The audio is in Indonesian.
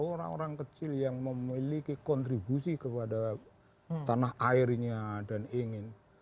orang orang kecil yang memiliki kontribusi kepada tanah airnya dan ingin